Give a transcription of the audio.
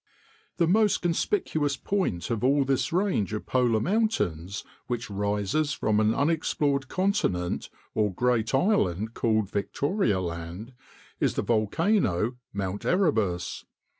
The most conspicuous point of all this range of polar mountains, which rises from an unexplored continent or great island called Victoria Land, is the volcano Mt. Erebus.